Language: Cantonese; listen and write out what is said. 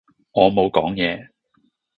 我冇野講